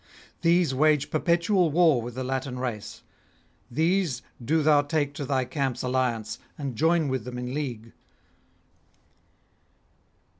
These wage perpetual war with the Latin race; these do thou take to thy camp's alliance, and join with them in league.